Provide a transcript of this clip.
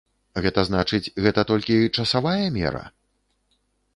Гэта значыць, гэта толькі часавая мера?